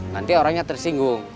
nanti orangnya tersinggung